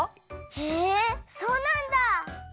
へえそうなんだ。